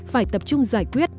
phải tập trung giải quyết